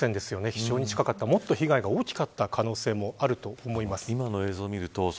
非常に近かったもっと被害が大きかった可能性があると思います。